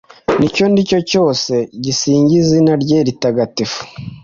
n’icyo ndi cyo cyose gisingize izina rye ritagatifu